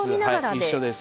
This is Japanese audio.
一緒です。